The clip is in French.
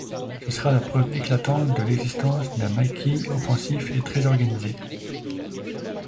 Ce sera la preuve éclatante de l'existence d'un maquis offensif et très organisé.